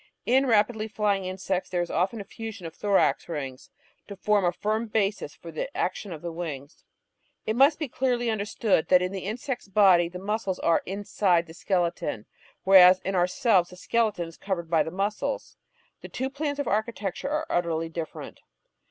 In rapidly flying insects there is often a fusion of thorax rings to form a firm basis for the action of the wings. It must be clearly understood that in the insect's body the muscles are inside the skeleton, whereas in ourselves the skeleton is covered by the muscles. The two plans of architectiu'e are utterly different.